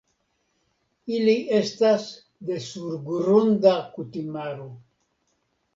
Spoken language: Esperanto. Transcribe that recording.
Ili estas de surgrunda kutimaro.